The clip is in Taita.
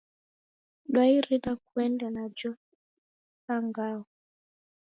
Dwa Irina kuenda najo sa ngao.